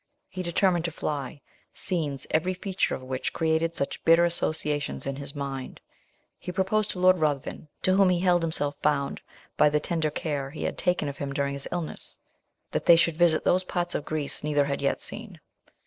He determined to fly scenes, every feature of which created such bitter associations in his mind. He proposed to Lord Ruthven, to whom he held himself bound by the tender care he had taken of him during his illness, that they should visit those parts of Greece neither had yet seen.